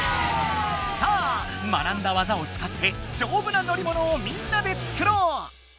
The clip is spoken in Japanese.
さあ学んだわざを使ってじょうぶな乗りものをみんなで作ろう！